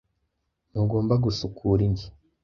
Ntugomba gusukura inzu?